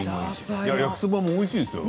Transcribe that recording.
焼きそばもおいしいですよ